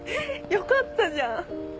よかったじゃん！